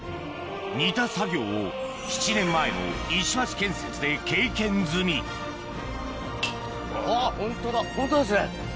似た作業を７年前の石橋建設で経験済みあっホントだホントですね。